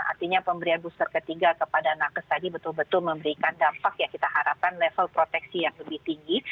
artinya pemberian booster ketiga kepada nakes tadi betul betul memberikan dampak yang kita harapkan level proteksi yang lebih tinggi